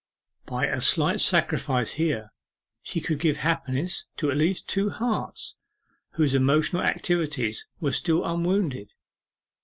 By a slight sacrifice here she could give happiness to at least two hearts whose emotional activities were still unwounded.